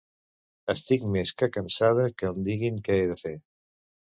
Estic més que cansada que em diguin què he de fer.